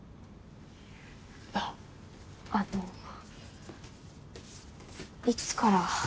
ああのいつから？